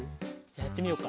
やってみようか。